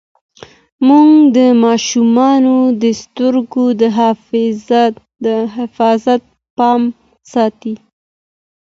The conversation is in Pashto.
مور د ماشومانو د سترګو د محافظت پام ساتي.